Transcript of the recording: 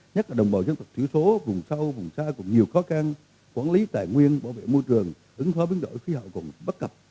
nhất là đồng bào dân tộc thiểu số vùng sâu vùng xa còn nhiều khó khăn quản lý tài nguyên bảo vệ môi trường ứng phó biến đổi khí hậu còn bất cập